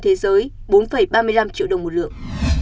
thế giới bốn ba mươi năm triệu đồng một lượng